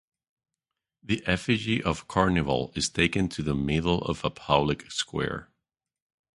The effigy of Carnival is taken to the middle of a public square.